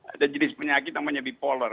ada jenis penyakit namanya bipolar